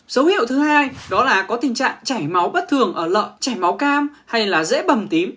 dấu hiệu thứ hai đó là có tình trạng chảy máu bất thường ở lợn chảy máu cam hay là dễ bầm tím